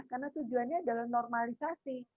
karena tujuannya adalah normalisasi